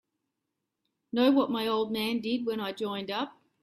Know what my old man did when I joined up?